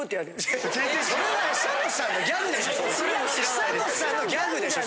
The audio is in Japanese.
久本さんのギャグでしょ